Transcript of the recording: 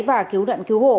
và cứu nạn cứu hộ